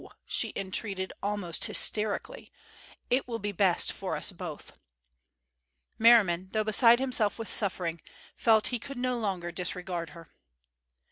she entreated almost hysterically, "it will be best for us both." Merriman, though beside himself with suffering, felt he could no longer disregard her.